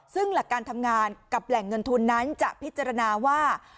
ซึ่งหลักการทำงานกับแหล่งเงินทุนนั้นจะพิจารณาว่า